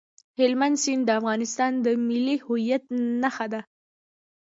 هلمند سیند د افغانستان د ملي هویت نښه ده.